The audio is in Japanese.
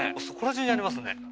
そこら中にありますね